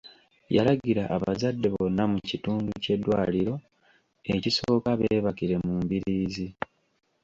Yalagira abazadde bonna mu kitundu ky’eddwaliro ekisooka beebakire mu mbiriizi.